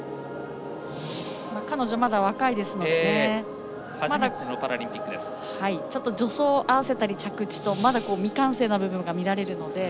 彼女まだ若いですのでちょっと助走を合わせたり着地と未完成な部分が見られるので。